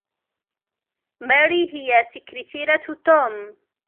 ماري هي سكرتيرة توم.